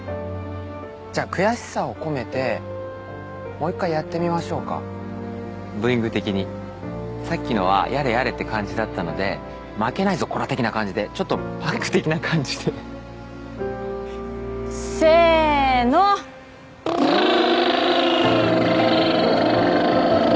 じゃあ悔しさを込めてもう一回やってみましょうかブーイング的にさっきのは「やれやれ」って感じだったので「負けないぞコラ」的な感じでちょっとパンク的な感じでせーのわあ！